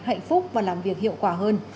hạnh phúc và làm việc hiệu quả hơn